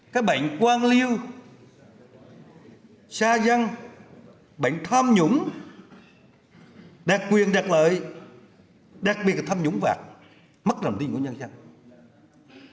cái bệnh quang lưu xa dăng bệnh tham nhũng đạt quyền đạt lợi đạt biệt tham nhũng và mất đồng tin của nhân dân